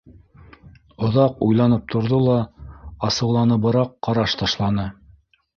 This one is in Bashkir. Оҙаҡ уйланып торҙо ла асыуланыбыраҡ ҡараш ташланы.